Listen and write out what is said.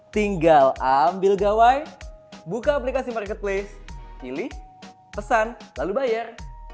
tinggal ambil gawai buka aplikasi marketplace pilih pesan lalu bayar